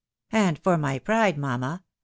. and for my pride, mamma, ....